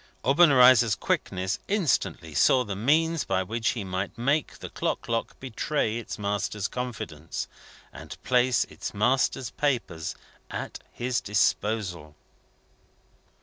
Obenreizer's quickness instantly saw the means by which he might make the clock lock betray its master's confidence, and place its master's papers at his disposal.